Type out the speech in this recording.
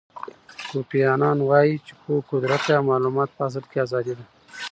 کوفی انان وایي چې پوهه قدرت دی او معلومات په اصل کې ازادي ده.